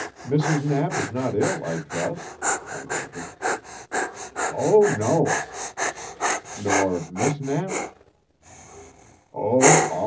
"Mrs. Knapp is not ill, I trust?" I ventured. "Oh, no." "Nor Miss Knapp?"